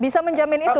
bisa menjamin itu